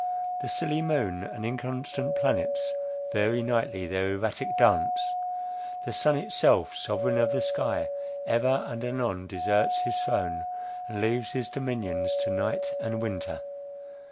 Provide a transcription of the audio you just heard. The silly moon and inconstant planets vary nightly their erratic dance; the sun itself, sovereign of the sky, ever and anon deserts his throne, and leaves his dominion to night and winter.